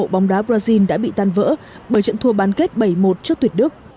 giấc mộ bóng đá brazil đã bị tan vỡ bởi trận thua ban kết bảy một trước tuyệt đức